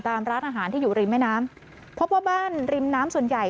ร้านอาหารที่อยู่ริมแม่น้ำพบว่าบ้านริมน้ำส่วนใหญ่